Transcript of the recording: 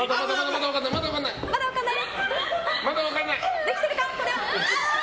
まだ分かんない！